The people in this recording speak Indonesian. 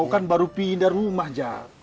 kau kan baru pindah rumah jack